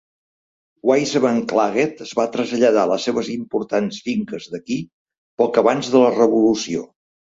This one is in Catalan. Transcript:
Wiseman Claget es va traslladar a les seves importants finques d'aquí poc abans de la Revolució.